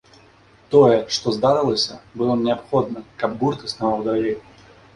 Тое, што здарылася, было неабходна, каб гурт існаваў далей.